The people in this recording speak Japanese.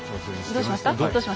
どうしました？